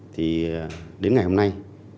thì đến ngày hôm nay